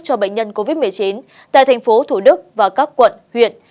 cho bệnh nhân covid một mươi chín tại thành phố thủ đức và các quận huyện